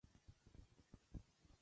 قلم د تخلیقي ذهن غږ دی